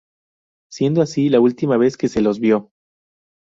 Siendo así la ultima ves que se los vió.